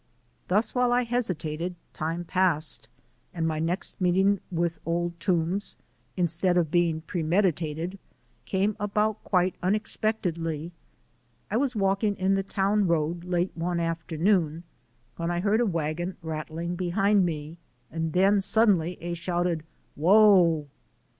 Thus while I hesitated time passed and my next meeting with Old Toombs, instead of being premeditated, came about quite unexpectedly. I was walking in the town road late one afternoon when I heard a wagon rattling behind me, and then, quite suddenly, a shouted, "Whoa."